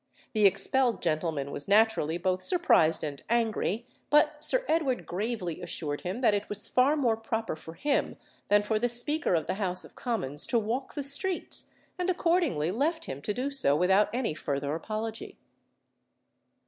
The expelled gentleman was naturally both surprised and angry; but Sir Edward gravely assured him that it was far more proper for him than for the Speaker of the House of Commons to walk the streets, and accordingly left him to do so without any further apology.